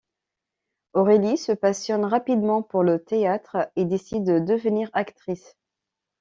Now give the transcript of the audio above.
Aurélie se passionne rapidement pour le théâtre et décide de devenir actrice.